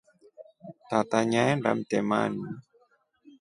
Tata nyaenda mtemani.